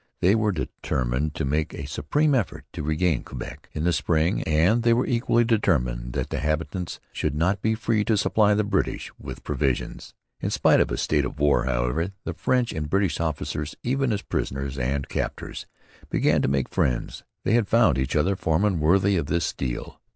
They were determined to make a supreme effort to regain Quebec in the spring; and they were equally determined that the habitants should not be free to supply the British with provisions. In spite of the state of war, however, the French and British officers, even as prisoners and captors, began to make friends. They had found each other foemen worthy of their steel.